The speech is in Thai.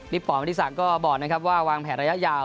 บิ๊กป๋อมอธิสักต์ก็บอกว่าวางแผนระยะยาว